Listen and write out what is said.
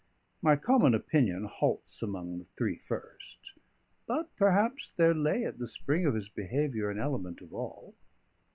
My common opinion halts among the three first; but perhaps there lay at the spring of his behaviour an element of all.